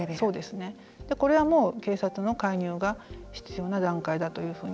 これは警察の介入が必要な段階だというふうに。